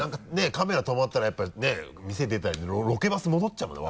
カメラ止まったらやっぱりね店出たりロケバス戻っちゃうもんね